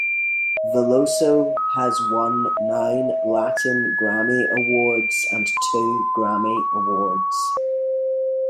Veloso has won nine Latin Grammy Awards and two Grammy Awards.